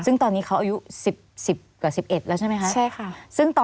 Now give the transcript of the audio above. ซึ่งตอนนี้เขาอายุ๑๐กว่า๑๑แล้วใช่ไหมคะ